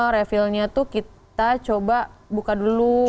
refillnya tuh kita coba buka dulu